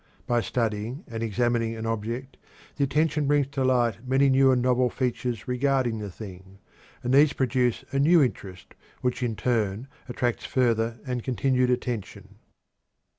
By studying and examining an object, the attention brings to light many new and novel features regarding the thing, and these produce a new interest which in turn attracts further and continued attention.